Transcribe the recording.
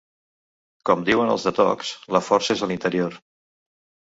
Com diuen els de Tocs, la força és a l'interior.